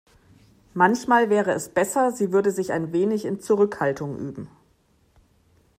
Manchmal wäre es besser, sie würde sich ein wenig in Zurückhaltung üben.